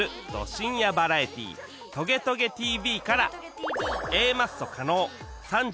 深夜バラエティー『トゲトゲ ＴＶ』から